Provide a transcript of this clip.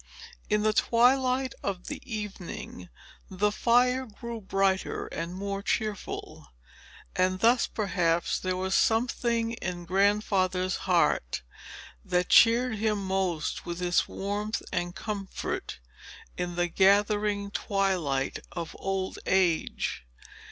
In the twilight of the evening, the fire grew brighter and more cheerful. And thus, perhaps, there was something in Grandfather's heart, that cheered him most with its warmth and comfort in the gathering twilight of old age.